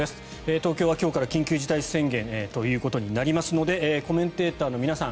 東京は、今日から緊急事態宣言ということになりますのでコメンテーターの皆さん